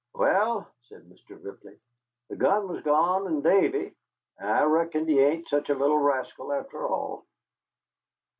"Wal," said Mr. Ripley, "the gun was gone, an' Davy. I reckon he ain't sich a little rascal after all."